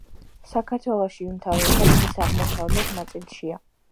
საქართველოში, უმთავრესად მის აღმოსავლეთ ნაწილშია.